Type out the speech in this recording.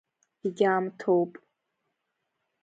Егьаамҭоуп.